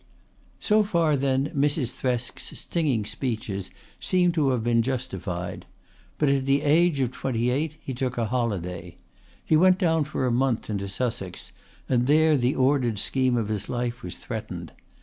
So far then Mrs. Thresk's stinging speeches seemed to have been justified. But at the age of twenty eight he took a holiday. He went down for a month into Sussex, and there the ordered scheme of his life was threatened.